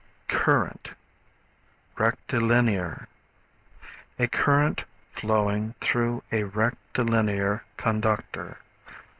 Current, Rectilinear. A current flowing through a rectilinear conductor.